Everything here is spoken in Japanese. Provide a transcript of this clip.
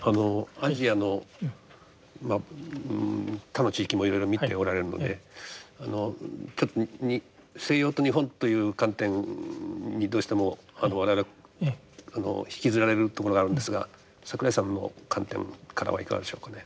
アジアの他の地域もいろいろ見ておられるのでちょっと西洋と日本という観点にどうしても我々は引きずられるところがあるんですが櫻井さんの観点からはいかがでしょうかね。